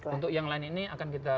untuk yang lain ini akan kita